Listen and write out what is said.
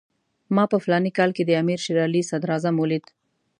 ما په فلاني کال کې د امیر شېر علي صدراعظم ولید.